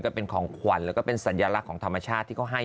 เป็นของขวัญแล้วก็เป็นสัญลักษณ์ของธรรมชาติที่เขาให้